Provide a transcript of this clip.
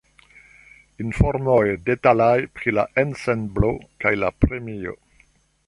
Informoj detalaj pri la ensemblo kaj la premio.